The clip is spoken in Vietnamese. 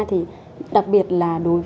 thì đặc biệt là